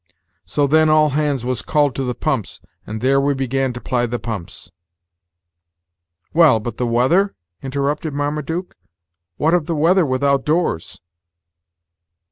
So then all hands was called to the pumps, and there we began to ply the pumps " "Well, but the weather?" interrupted Marmaduke; "what of the weather without doors?"